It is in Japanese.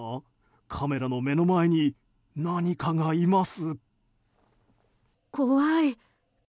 カメラの目の前に何かがいます。